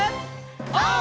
オー！